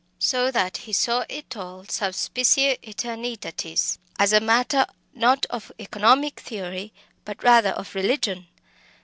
So that he saw it all sub specie aeternitatis, as a matter not of economic theory, but rather of religion.